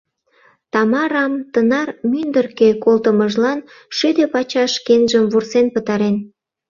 Тамарам тынар мӱндыркӧ колтымыжлан шӱдӧ пачаш шкенжым вурсен пытарен.